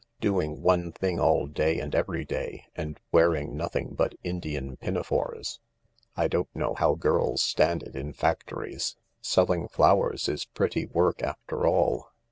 Doing one thing all day and every day and wearing nothing but Indian pina fores — I don't know how girls stand it in factories. Selling flowers is pretty work, after all.